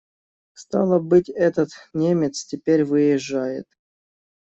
Стало быть, этот немец теперь выезжает.